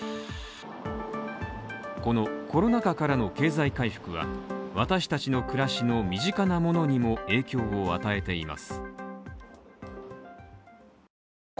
このコロナ禍からの経済回復は私達の暮らしの身近なものにも影響を与えています。